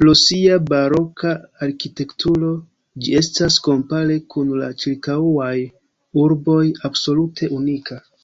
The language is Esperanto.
Pro sia baroka arkitekturo ĝi estas kompare kun la ĉirkaŭaj urboj absolute unika.